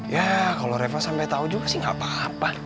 ya kalau reva sampai tahu juga sih gak apa apa